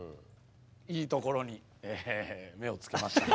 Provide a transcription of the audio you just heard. いいところに目をつけましたね。